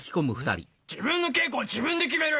自分の稽古は自分で決める！